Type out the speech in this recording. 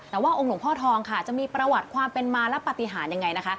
แต่ว่าองค์หลวงพ่อทองค่ะจะมีประวัติความเป็นมาและปฏิหารยังไงนะคะ